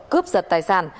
cướp giật tài sản